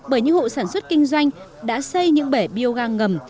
bởi những hộ sản xuất kinh doanh đã xây những bể bioga ngầm